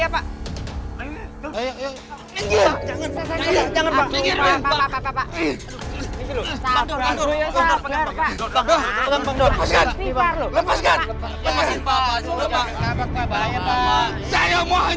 pak rite jangan